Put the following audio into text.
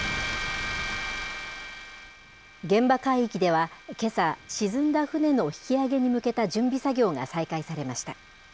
現場海域ではけさ、沈んだ船の引き揚げに向けた準備作業が再開されました。